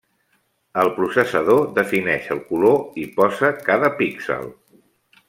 El processador defineix el color i posa cada píxel.